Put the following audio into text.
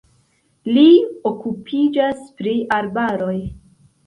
Li okupiĝas pri arbaroj.